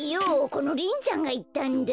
このリンちゃんがいったんだ。